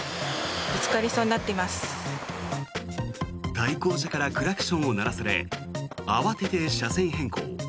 対向車からクラクションを鳴らされ慌てて車線変更。